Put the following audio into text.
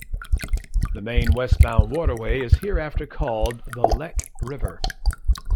The main westbound waterway is hereafter called the Lek River.